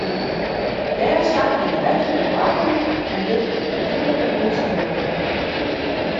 Dêr sakket it wetter de boaiem yn en wurdt it op natuerlike wize filtere.